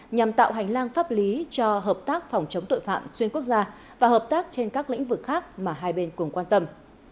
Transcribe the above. nhằm tạo hành lang pháp lý cho hợp tác phòng chống tội phạm xuyên quốc gia và hợp tác trên các lĩnh vực khác mà hai bên cùng quan tâm